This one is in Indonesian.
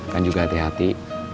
kang juga hati hati